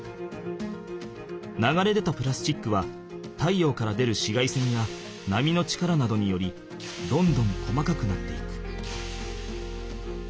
流れ出たプラスチックは太陽から出る紫外線や波の力などによりどんどん細かくなっていく。